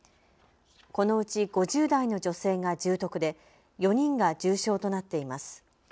このうち５０代の女性が重篤で４人が重症となっています。